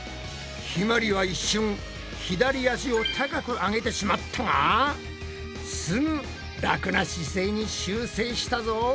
ひまりは一瞬左足を高く上げてしまったがすぐ楽な姿勢に修正したぞ。